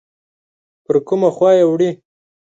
پر کومه خوا یې وړي؟